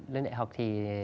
lên đại học thì